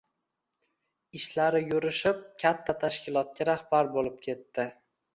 Ishlari yurishib, katta tashkilotga rahbar bo‘lib ketdi